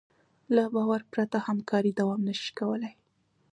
له باور پرته همکاري دوام نهشي کولی.